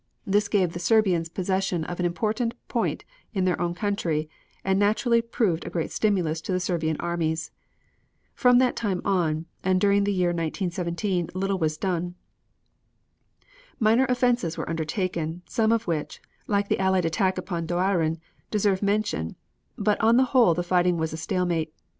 This gave the Serbians possession of an important point in their own country and naturally proved a great stimulus to the Serbian armies. From that time on, and during the year 1917, little was done. Minor offensives were undertaken, some of which, like the Allied attack upon Doiran, deserve mention, but on the whole the fighting was a stalemate.